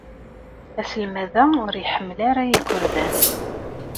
Aselmad-a ur iḥemmel ara igerdan.